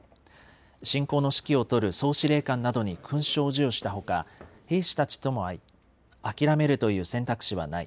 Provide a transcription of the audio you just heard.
侵攻の指揮を執る総司令官などに勲章を授与したほか、兵士たちとも会い、諦めるという選択肢はない。